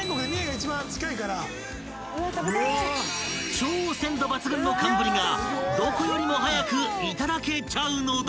［超鮮度抜群の寒ぶりがどこよりも早くいただけちゃうのだ］